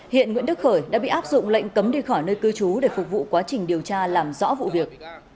hiện nguyễn đức khởi đã bị áp dụng lệnh cấm đi khỏi nơi cư trú để phục vụ quá trình điều tra làm rõ vụ việc